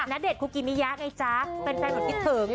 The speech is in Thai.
นาเดชน์คุกกี้มิยะไงจ๊ะเป็นแฟนของกิดถึง